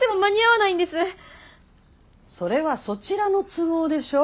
それはそちらの都合でしょ。